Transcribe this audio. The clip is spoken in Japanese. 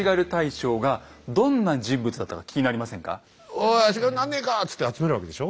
「おい足軽なんねえか」つって集めるわけでしょ？